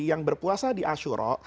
yang berpuasa di asuro